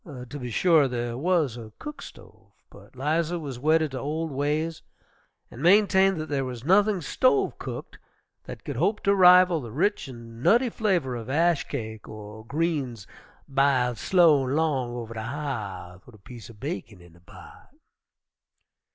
To be sure, there was a cook stove, but 'Liza was wedded to old ways and maintained there was nothing "stove cooked" that could hope to rival the rich and nutty flavor of ash cake, or greens "b'iled slow an' long over de ha'th, wid a piece er bacon in de pot."